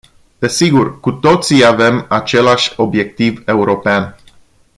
Desigur, cu toții avem același obiectiv european.